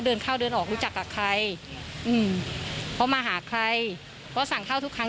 เดินเข้าเดินออกรู้จักกับใครอืมเขามาหาใครเขาสั่งข้าวทุกครั้ง